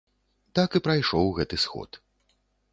Так і прайшоў гэты сход.